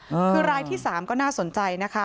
คือรายที่สามก็น่าสนใจนะคะ